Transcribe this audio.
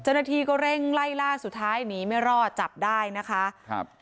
เจ้าหน้าที่ก็เร่งไล่ล่าสุดท้ายหนีไม่รอดจับได้นะคะครับ